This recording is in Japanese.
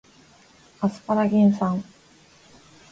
アスパラギン酸